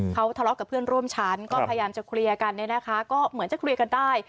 เขาทะเลาะกับเพื่อนร่วมชั้นก็พยายามจะเคลียร์กันเนี่ยนะคะก็เหมือนจะเคลียร์กันได้